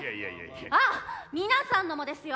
あっ皆さんのもですよ！